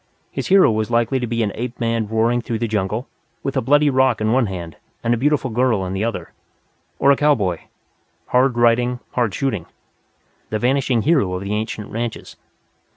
His hero was likely to be an ape man roaring through the jungle, with a bloody rock in one hand and a beautiful girl in the other. Or a cowboy, "hard riding, hard shooting," the vanishing hero of the ancient ranches.